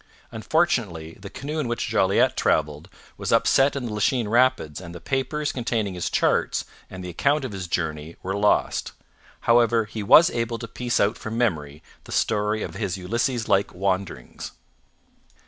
Unfortunately, the canoe in which Jolliet travelled was upset in the Lachine rapids and the papers containing his charts and the account of his journey were lost; however, he was able to piece out from memory the story of his Ulysses like wanderings.